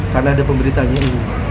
karena ada pemberitanya ini